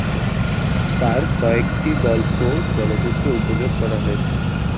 তার কয়েকটি গল্প চলচ্চিত্রে উপযোগ করা হয়েছে।